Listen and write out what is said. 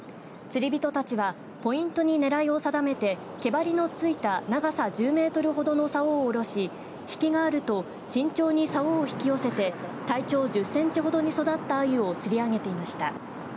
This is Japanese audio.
釣り人たちはポイントにねらいを定めて毛針の付いた、長さ１０メートル程のさおを下ろし引きがあると慎重にさおを引き寄せて体長１０センチほどに育ったあゆを釣り上げていました。